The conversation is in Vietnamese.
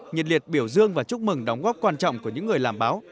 nhiệt liệt biểu dương và chúc mừng đóng góp quan trọng của những người làm báo